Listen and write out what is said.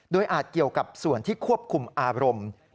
โดยอาจเกี่ยวกับส่วนที่ควบคุมอารมณ์